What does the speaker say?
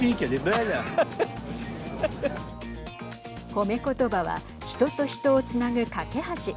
褒めことばは人と人をつなぐ架け橋。